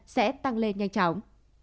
sẽ tăng lên nhanh chóng